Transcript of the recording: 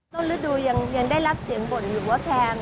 ฤดูยังได้รับเสียงบ่นอยู่ว่าแพง